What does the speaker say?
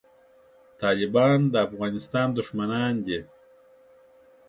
طالبان د افغانستان دښمنان دي